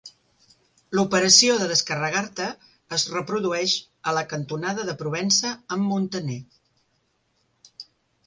L'operació de descarregar-te es reprodueix a la cantonada de Provença amb Muntaner.